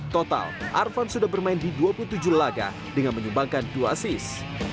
total arvan sudah bermain di dua puluh tujuh laga dengan menyumbangkan dua asis